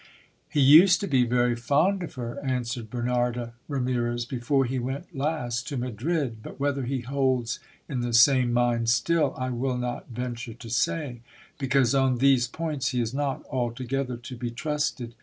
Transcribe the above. He used to be very fond of her, answered Bernarda Ramirez, before he went last to Madrid : but whether he holds in the same mind still, I will not venture to say ; because on these points he is not altogether to be trusted.